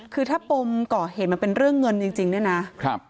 คือถ้าปมก่อเหตุมันเป็นเรื่องเงินจริงเนี่ยนะครับ